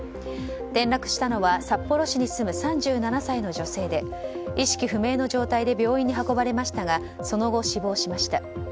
転落したのは札幌市に住む３７歳の女性で意識不明の状態で病院に運ばれましたがその後、死亡しました。